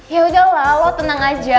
yaudahlah lo tenang aja